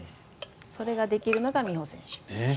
それができるのが美帆選手。